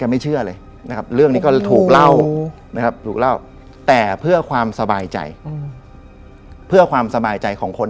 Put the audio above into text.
ป้านิมบอกป้านิมบอกป้านิมบอกป้านิมบอกป้านิมบอกป้านิมบอกป้านิมบอกป้านิมบอกป้านิมบอก